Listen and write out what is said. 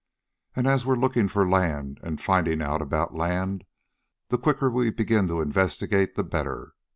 And as we're looking for land and finding out about land, the quicker we begin to investigate the better.